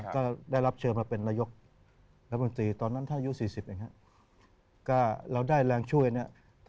ทีนี้ผมอยากรู้บางอย่างเรื่องของธนบัตรโดคจันทร์